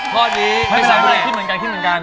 ท่อนี้คิดเหมือนกัน